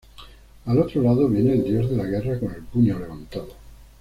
Al otro lado viene el Dios de la Guerra con el puño levantado.